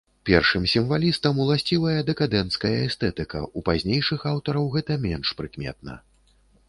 Першым сімвалістам уласцівая дэкадэнцкая эстэтыка, у пазнейшых аўтараў гэта менш прыкметна.